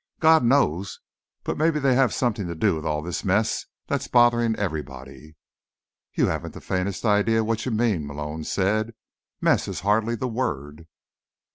God knows, but maybe they have something to do with all this mess that's bothering everybody." "You haven't the faintest idea what you mean," Malone said. "Mess is hardly the word."